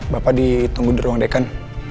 bapak ditunggu di ruang deken